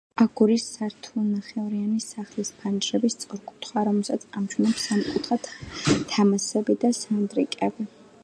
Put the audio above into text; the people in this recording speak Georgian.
აგურის სართულნახევრიანი სახლის ფანჯრები სწორკუთხაა, რომელსაც ამშვენებს სამკუთხა თამასები და სანდრიკები.